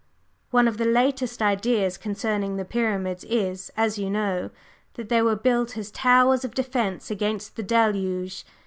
"One of the latest ideas concerning the Pyramids is, as you know, that they were built as towers of defence against the Deluge.